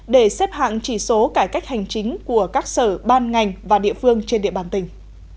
để xếp hạng chỉ số cải cách hành chính của các sở ban ngành và địa phương trên địa bàn tỉnh